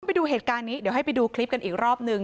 ไปดูเหตุการณ์นี้เดี๋ยวให้ไปดูคลิปกันอีกรอบนึง